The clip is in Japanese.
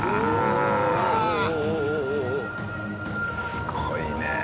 すごいねえ。